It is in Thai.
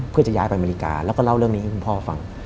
เพื่อจะย้ายไปอเมริกาแล้วก็เล่าเรื่องนี้ให้คุณพ่อฟัง